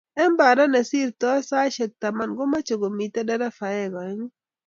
eng Banda nesirtoi saishek taman komeche komito nderefainik aengu